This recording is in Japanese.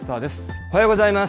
おはようございます。